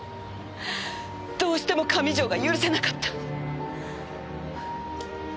どうしても上条が許せなかった！